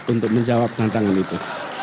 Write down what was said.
untuk menjawab tantangan itu